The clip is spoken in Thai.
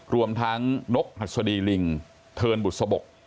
รวมทั้งนกหัสดีลิงเทินบุษบก